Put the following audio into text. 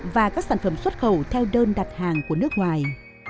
và các sản phẩm xuất khẩu theo đơn đặt hàng của nước ngoài